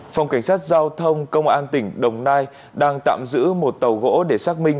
phòng cảnh sát giao thông công an tỉnh đồng nai đang tạm giữ một tàu gỗ để xác minh